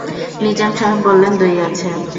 নিজাম সাহেব বললেন, দৈ আছে।